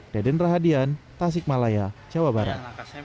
deden rahadian tasik malaya jawa barat